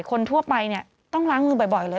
คนทั่วไปเนี่ยต้องล้างมือบ่อยเลย